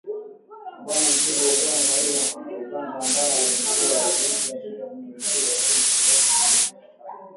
Bwana Ssebbo Ogongo raia wa Uganda ambaye amekuwa akiishi katika mji mkuu wa Kenya Nairobi kwa miaka kadhaa